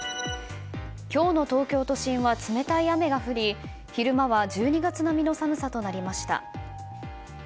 今日の東京都心は冷たい雨が降り昼間は１２月並みの寒さとなりました。